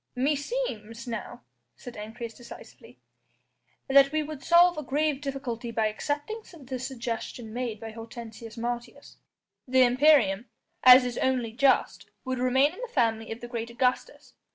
"Meseems," now said Ancyrus decisively, "that we would solve a grave difficulty by accepting the suggestion made by Hortensius Martius. The imperium as is only just would remain in the family of the great Augustus.